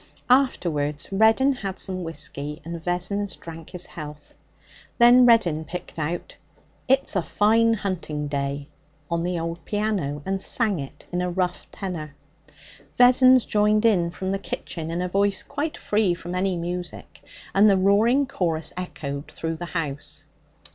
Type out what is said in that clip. Afterwards Reddin had some whisky, and Vessons drank his health. Then Reddin picked out 'It's a Fine Hunting Day' on the old piano, and sang it in a rough tenor. Vessons joined in from the kitchen in a voice quite free from any music, and the roaring chorus echoed through the house.